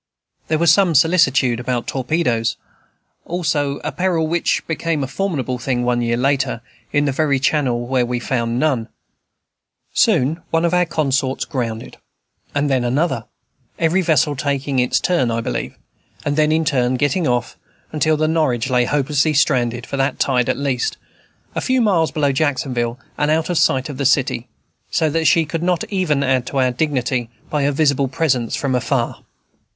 There was some solicitude about torpedoes, also, a peril which became a formidable thing, one year later, in the very channel where we found none. Soon one of our consorts grounded, then another, every vessel taking its turn, I believe, and then in turn getting off, until the Norwich lay hopelessly stranded, for that tide at least, a few miles below Jacksonville, and out of sight of the city, so that she could not even add to our dignity by her visible presence from afar.